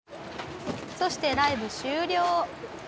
そしてライブ終了。